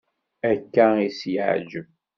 Akka i s-iεǧeb.